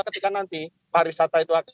ketika nanti pariwisata itu